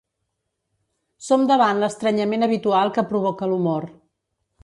Som davant l'estranyament habitual que provoca l'humor.